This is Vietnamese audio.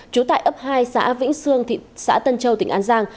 trú tại ấp hai xã vĩnh sương thị xã tân châu tỉnh an giang